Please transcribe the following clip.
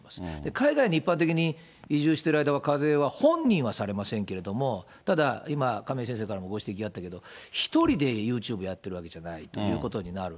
海外に一般的に移住してる間は、本人はされませんけれども、ただ、今、亀井先生からもご指摘があったけど、１人でユーチューブをやっているわけではないということになる。